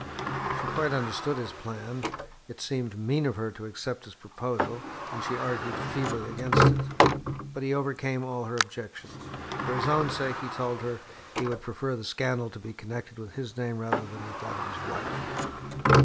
She quite understood his plan; it seemed mean of her to accept his proposal, and she argued feebly against it. But he overcame all her objections. For his own sake, he told her, he would prefer the scandal to be connected with his name rather than with that of his wife.